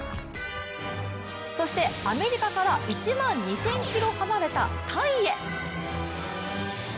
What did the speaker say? そしてアメリカから１万２０００ｋｍ離れたタイへ。